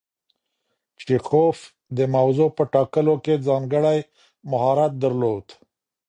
چیخوف د موضوع په ټاکلو کې ځانګړی مهارت درلود.